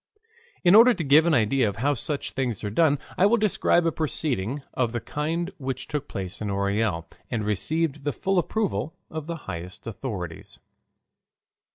In order to give an idea of how such things are done I will describe a proceeding of the kind which took place in Orel, and received the full approval of the highest authorities.